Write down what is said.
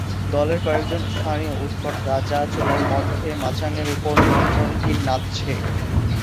দলের কয়েকজন স্থানীয় উৎকট গাঁজা, চোলাই মদ খেয়ে মাচাঙের উপর নিয়ন্ত্রণহীন নাচছে।